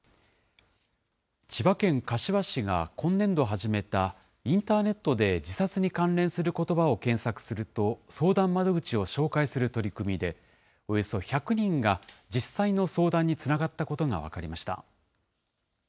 千葉県柏市が今年度始めたインターネットで自殺に関連することばを検索すると相談窓口を紹介する取り組みで、およそ１００人が実際の相談につながったことが分かりました。